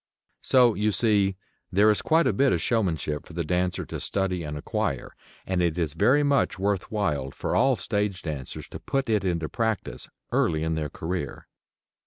So, you see, there is quite a bit of showmanship for the dancer to study and acquire, and it is very much worth while for all stage dancers to put it into practice, early in their career.